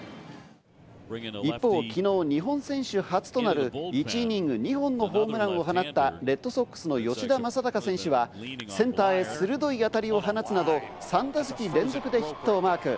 一方、昨日、日本選手初となる、１イニング２本のホームランを放ったレッドソックスの吉田正尚選手は、センターへ鋭い当たりを放つなど３打席連続でヒットをマーク。